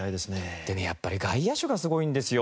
やっぱり外野手がすごいんですよ。